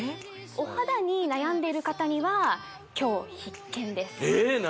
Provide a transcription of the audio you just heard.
お肌に悩んでいる方には今日必見ですえっ何？